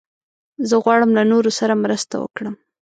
زه غواړم له نورو سره مرسته وکړم.